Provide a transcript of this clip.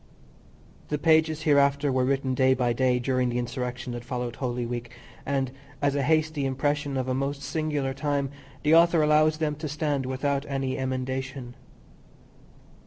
The pages hereafter were written day by day during the Insurrection that followed Holy Week, and, as a hasty impression of a most singular time, the author allows them to stand without any emendation.